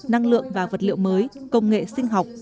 năng lượng và vật liệu mới công nghệ sinh học